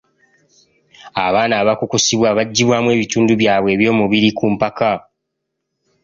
Aaana abakukusibwa baggyibwamu ebitundu byabwe eby’omubiri ku mpaka.